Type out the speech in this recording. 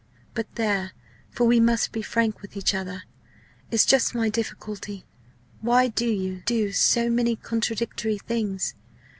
But there for we must be frank with each other is just my difficulty. Why do you do so many contradictory things?